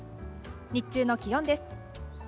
日中の気温です。